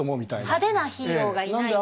派手なヒーローがいない。